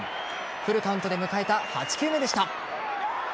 フルカウントで迎えた８球目でした。